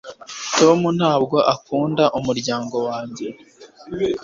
tom ntabwo akunda umuryango wanjye